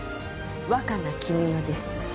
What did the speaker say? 若菜絹代です。